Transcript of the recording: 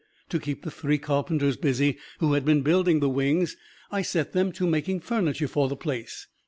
To keep the three carpenters busy who had been building the wings, I set them to making furniture for the place.